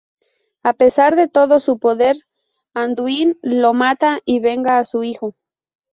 A pesar de todo su poder, Anduin lo mata y venga a su hijo.